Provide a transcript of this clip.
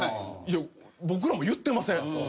いや僕らも言ってません。